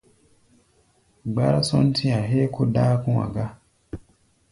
Gbárá-sɔ́ntí-a héé kó dáa kɔ̧́-a̧ ga.